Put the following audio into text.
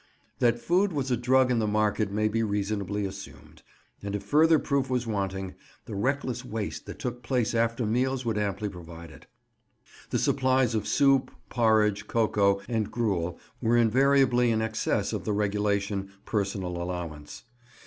That food was a drug in the market may be reasonably assumed; and if further proof was wanting, the reckless waste that took place after meals would amply provide it. The supplies of soup, porridge, cocoa, and gruel were invariably in excess of the regulation personal allowance.